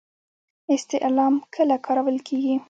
استعلام کله کارول کیږي؟